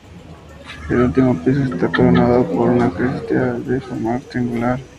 El último piso está coronado por una crestería de forma triangular.